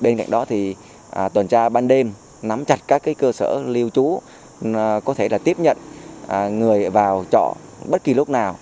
bên cạnh đó thì tuần tra ban đêm nắm chặt các cơ sở lưu trú có thể là tiếp nhận người vào trọ bất kỳ lúc nào